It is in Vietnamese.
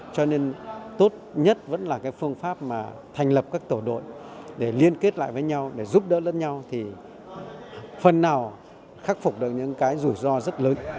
cho nên tốt nhất vẫn là phương pháp thành lập các tổ đội để liên kết lại với nhau giúp đỡ lẫn nhau phần nào khắc phục được những rủi ro rất lớn